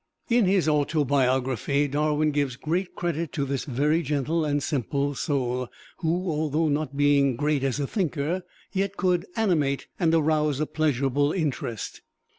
In his autobiography Darwin gives great credit to this very gentle and simple soul, who, although not being great as a thinker, yet could animate and arouse a pleasurable interest.